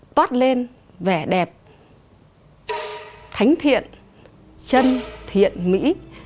toát lên vẻ đẹp thánh thiện chân thiện mỹ